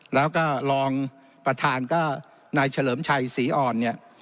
แล้วก็รองประธานก็นายเฉลิมชัยศรีอ่อนเนี่ย